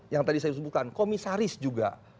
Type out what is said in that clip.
yang tadi saya sebutkan komisaris juga